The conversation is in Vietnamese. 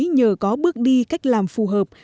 nhờ có bước đi cách làm phù hợp